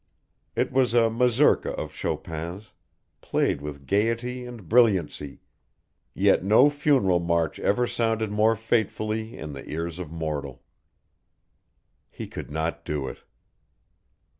It was a Mazurka of Chopin's, played with gaiety and brilliancy, yet no funeral march ever sounded more fatefully in the ears of mortal. He could not do it.